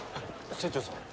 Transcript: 清張さん。